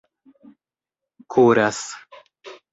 kuras